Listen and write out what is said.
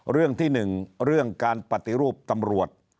เรื่องที่๑เรื่องการปฏิรูปตำรวจ